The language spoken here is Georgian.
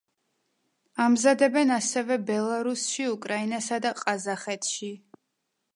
ამზადებენ ასევე ბელარუსში, უკრაინასა და ყაზახეთში.